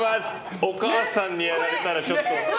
お母さんにやられたらちょっと。